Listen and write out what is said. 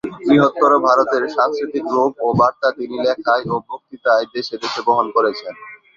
বৃহত্তর ভারতের সাংস্কৃতিক রূপ ও বার্তা তিনি লেখায় ও বক্তৃতায় দেশে দেশে বহন করেছেন।